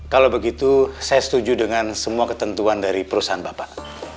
kalau begitu saya setuju dengan semua ketentuan dari perusahaan bapak